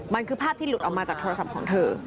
มันคือภาพที่หลุดออกมาจากโทรศัพท์ของเธอ